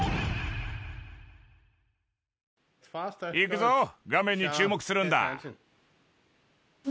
いくぞ、画面に注目するんだ。